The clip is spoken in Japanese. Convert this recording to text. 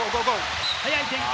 早い展開。